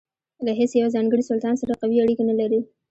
له هیڅ یوه ځانګړي سلطان سره قوي اړیکې نه لرلې.